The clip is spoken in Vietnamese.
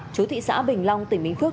chủ thị xã bình long tỉnh bình phước